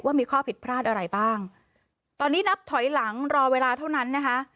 ว่ามีข้อผิดพลาดอะไรบ้างตอนนี้นับถอยหลังรอเวลาเท่านั้นนะคะ